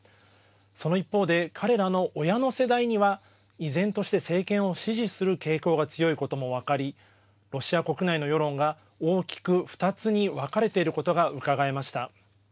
その一方で、彼らの親の世代には依然として政権を支持する傾向が強いことも分かりロシア国内の世論が大きく２つに分かれていることがうかがえました。